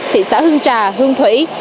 thị xã hương trà hương thủy